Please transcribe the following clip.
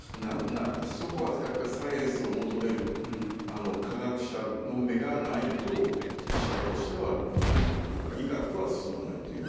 そこはやっぱりサイエンスを求める科学者の目がないと医者としては伸びないというか医学は進まないという。